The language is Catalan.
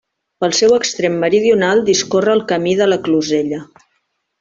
Pel seu extrem meridional discorre el Camí de la Closella.